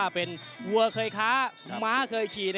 เป็นวัวเคยค้าม้าเคยขี่